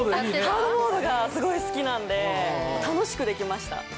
ハードモードがすごい好きなんで楽しくできました。